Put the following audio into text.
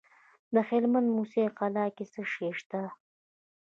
د هلمند په موسی قلعه کې څه شی شته؟